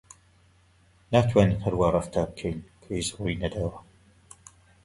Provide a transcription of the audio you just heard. ناتوانین هەر وا ڕەفتار بکەین کە هیچ ڕووی نەداوە.